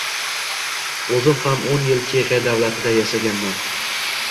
Oʻzim ham o'n yil Chexiya davlatida yashaganman.